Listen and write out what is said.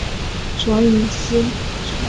卓颖思。